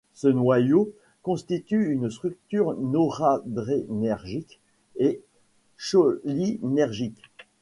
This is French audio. Ce noyau constitue une structure noradrénergique et cholinergique.